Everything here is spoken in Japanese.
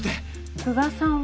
久我さんは？